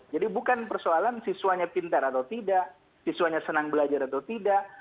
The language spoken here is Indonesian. jadi bukan persoalan siswanya pintar atau tidak siswanya senang belajar atau tidak